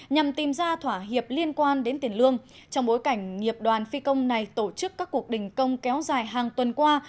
nhằm tìm ra thỏa hiệp liên quan đến tiền lương trong bối cảnh nghiệp đoàn phi công này tổ chức các cuộc đình công kéo dài hàng tuần qua